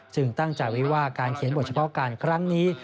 ตั้งใจไว้ว่าการเขียนบทเฉพาะการครั้งนี้